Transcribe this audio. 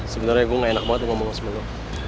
sebenernya gua ga enak banget ngomong sama lu